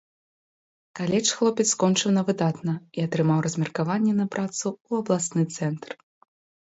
Каледж хлопец скончыў на выдатна, і атрымаў размеркаванне на працу ў абласны цэнтр.